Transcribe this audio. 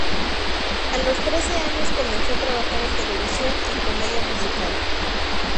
A los trece años comenzó a trabajar en televisión y comedia musical.